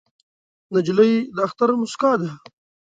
نجلۍ د اختر موسکا ده.